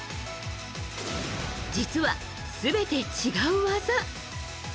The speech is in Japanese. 実は、全て違う技。